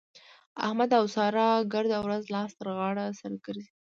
احمد او سارا ګرده ورځ لاس تر غاړه سره ګرځي.